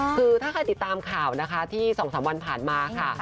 คือถ้าใครติดตามข่าวนะคะที่๒๓วันผ่านมาค่ะ